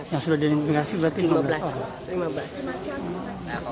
yang sudah diidentifikasi berarti lima belas